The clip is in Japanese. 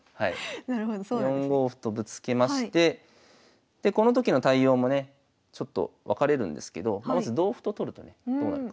４五歩とぶつけましてでこの時の対応もねちょっと分かれるんですけどまず同歩と取るとねどうなるか。